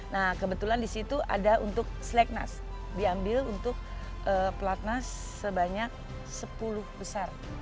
nah kebetulan di situ ada untuk slag nas diambil untuk pelat nas sebanyak sepuluh besar